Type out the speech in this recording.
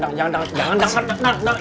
jangan jangan jangan